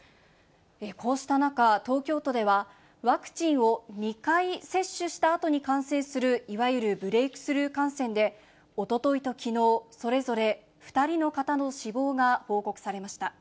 こうした中、東京都ではワクチンを２回接種したあとに感染するいわゆるブレークスルー感染で、おとといときのう、それぞれ２人の方の死亡が報告されました。